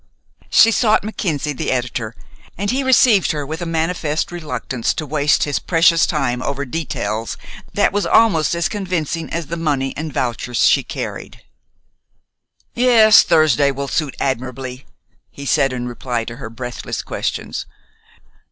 She sought Mackenzie, the editor, and he received her with a manifest reluctance to waste his precious time over details that was almost as convincing as the money and vouchers she carried. "Yes, Thursday will suit admirably," he said in reply to her breathless questions.